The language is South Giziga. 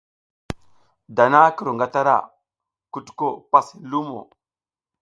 Dana ki ru ngatara, kutuko pas hin lumo.